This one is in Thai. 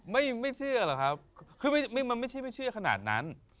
ไม่ไม่เชื่อหรอกครับคือมันไม่ใช่ไม่เชื่อขนาดนั้น